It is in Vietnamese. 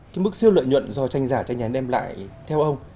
cái mức siêu lợi nhuận do tranh giả tranh nhán đem lại theo ông